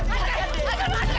kamu diri apa